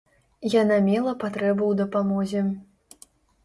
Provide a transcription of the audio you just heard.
Яна мела патрэбу ў дапамозе.